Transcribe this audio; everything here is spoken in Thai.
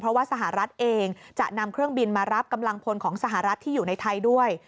เพราะว่าสหรัฐเองจะนำเครื่องบินมารับกำลังพลของสหรัฐที่อยู่ในไทยด้วย